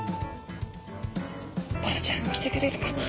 ボラちゃん来てくれるかな。